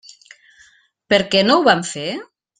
Per què no ho van fer?